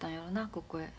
ここへ。